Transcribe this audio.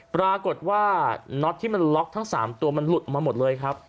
ปรากฏว่าน็อตที่มันล็อกทั้ง๓ตัวมันหลุดมาหมดเลยครับ